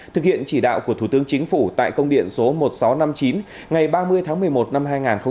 thực hiện chỉ đạo của thủ tướng chính phủ tại công điện số một nghìn sáu trăm năm mươi chín ngày ba mươi tháng một mươi một năm hai nghìn một mươi chín